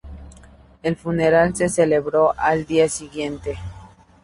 El funeral se celebró al día siguiente.